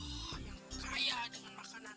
orang yang kaya dengan makanan